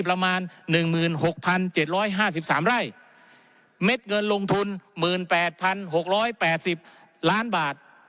ประมาณหนึ่งหมื่นหกพันเจ็ดร้อยห้าสิบสามไร่เม็ดเงินลงทุนหมื่นแปดพันหกร้อยแปดสิบล้านบาท